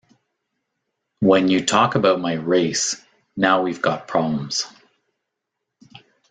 When you talk about my race, now we've got problems.